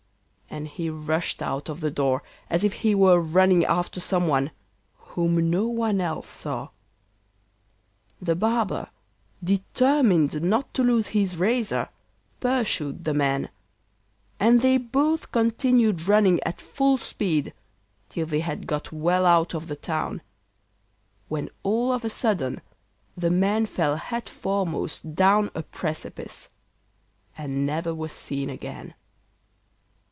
And he rushed out of the house as if he were running after some one, whom no one else saw. The barber, determined not to lose his razor, pursued the man, and they both continued running at full speed till they had got well out of the town, when all of a sudden the man fell head foremost down a precipice, and never was seen again.